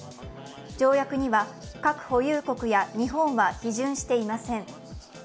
条約には核保有国や日本は批准していません。